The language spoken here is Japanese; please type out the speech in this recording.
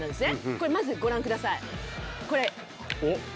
これまずご覧ください。